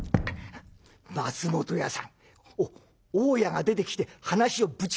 「松本屋さんお大家が出てきて話をぶち壊しました。